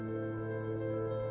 tapi lalu denktar ya gue